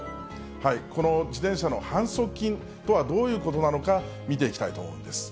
この自転車の反則金とは、どういうことなのか見ていきたいと思うんです。